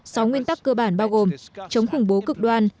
sáu nguyên tắc cơ bản bao gồm chống khủng bố cực đoan